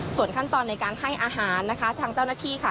ส่วนขั้นตอนในการให้อาหารนะคะทางเจ้าหน้าที่ค่ะ